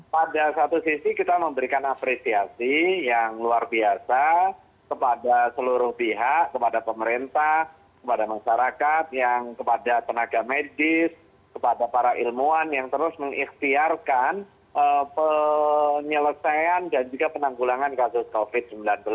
pada satu sisi kita memberikan apresiasi yang luar biasa kepada seluruh pihak kepada pemerintah kepada masyarakat yang kepada tenaga medis kepada para ilmuwan yang terus mengikhtiarkan penyelesaian dan juga penanggulangan kasus covid sembilan belas